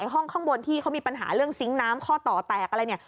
ห้องข้างบนที่เขามีปัญหาเรื่องซิงค์น้ำข้อต่อแตกอะไรเนี่ย